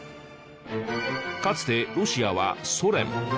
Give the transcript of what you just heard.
かつてロシアはソ連。